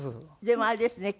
でもあれですね。